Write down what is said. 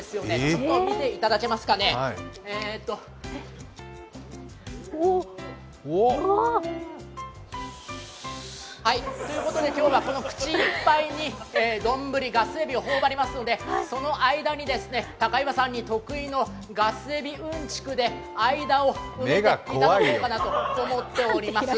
ちょっと見ていただけますかね。ということで今日はこの口いっぱいに丼、ガスエビを入れますのでその間に高岩さんに得意のガスエビうんちくで間を埋めていただこうかなと思っております。